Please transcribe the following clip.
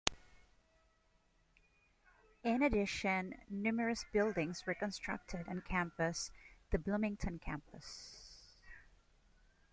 In addition, numerous buildings were constructed on campus the Bloomington campus.